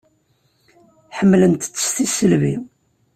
Ḥemmlent-tt s tisselbi.